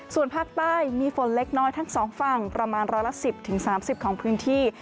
ส่วนภาคใต้มีฝนเล็กน้อยทั้งสองฝั่งประมาณร้อยละ๑๐๓๐ของพื้นที่